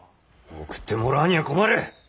送ってもらわにゃ困る！